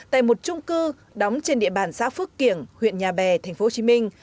tại một trung cư đóng trên địa bàn xã phước kiểng huyện nhà bè tp hcm